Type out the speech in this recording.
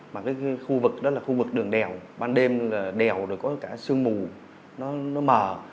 mà cái khu vực đó là khu vực đường đèo ban đêm là đèo rồi có cả sương mù nó mờ